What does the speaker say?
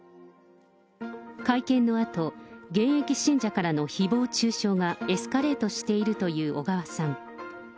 会見のあと、現役信者からのひぼう中傷がエスカレートしているという小川さん。